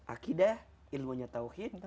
akidah ilmunya tawhid